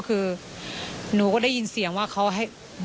ส่วนรถที่นายสอนชัยขับอยู่ระหว่างการรอให้ตำรวจสอบ